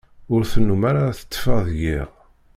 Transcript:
Ur tennum ara tetteffeɣ deg iḍ.